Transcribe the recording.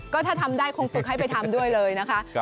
ก็ถ้าทำได้คงฝึกให้ไปทำด้วยเลยนะคะ